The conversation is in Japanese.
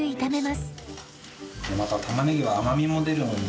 またたまねぎは甘みも出るのでね